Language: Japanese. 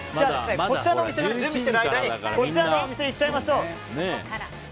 こちらのお店が準備している間にこちらのお店に行っちゃいましょう。